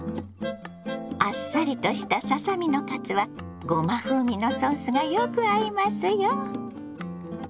あっさりとしたささ身のカツはごま風味のソースがよく合いますよ。